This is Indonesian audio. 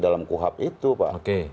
dalam kuhap itu pak